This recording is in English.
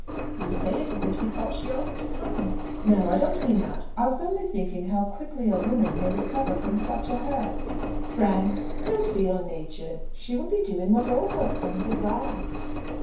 "You say it as if you thought she oughtn't to come." "No; I don't mean that. I was only thinking how quickly a woman may recover from such a hurt." "Frank, don't be ill natured. She will be doing what all her friends advise."